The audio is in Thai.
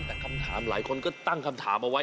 แต่คำถามหลายคนก็ตั้งคำถามเอาไว้